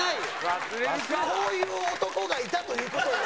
こういう男がいたという事を。